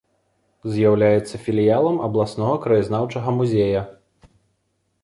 З'яўляецца філіялам абласнога краязнаўчага музея.